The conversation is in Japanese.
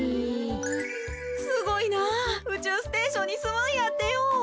すごいなうちゅうステーションにすむんやってよ。